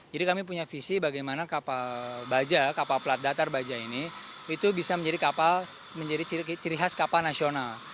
jadi kami punya visi bagaimana kapal baja kapal plat datar baja ini itu bisa menjadi kapal menjadi ciri khas kapal nasional